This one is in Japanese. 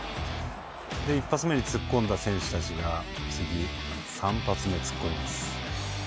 １発目に突っ込んだ選手たちが３発目、突っ込みます。